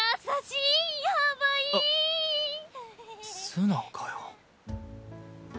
素直かよ。